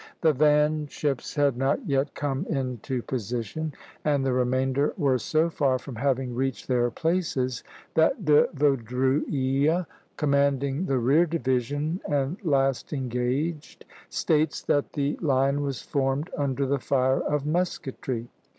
The van ships had not yet come into position (B, a), and the remainder were so far from having reached their places that De Vaudreuil, commanding the rear division and last engaged, states that the line was formed under the fire of musketry.